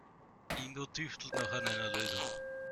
Ingo tüftelt noch an einer Lösung.